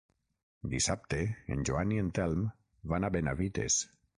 Dissabte en Joan i en Telm van a Benavites.